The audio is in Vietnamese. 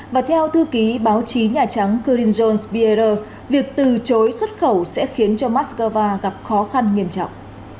và theo thư ký báo chí nhà trắng corinne jones pierre việc từ chối xuất khẩu sẽ khiến cho moscow gặp khó khăn nghiêm trọng